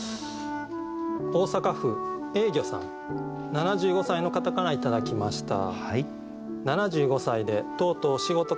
大阪府えいぎょさん７５歳の方から頂きました。